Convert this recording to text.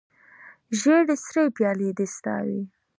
ژړې سرې پیالې دې ستا وي